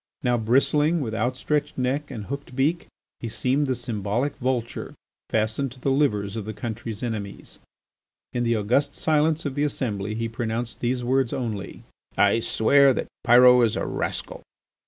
Now, bristling, with outstretched neck and hooked beak, he seemed the symbolical vulture fastened to the livers of his country's enemies. In the august silence of the assembly he pronounced these words only: "I swear that Pyrot is a rascal."